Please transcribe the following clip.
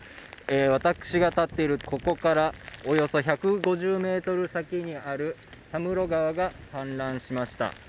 私が立っている、ここからおよそ１５０ｍ先にある佐室川が氾濫しました。